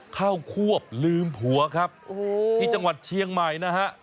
ควบลืมผัวครับที่จังหวัดเชียงใหม่นะฮะ